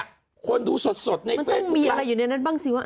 อ่ะคนดูสดในมันต้องมีอะไรอยู่ในนั้นบ้างสิว่า